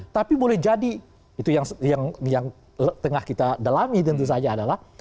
tapi boleh jadi itu yang tengah kita dalami tentu saja adalah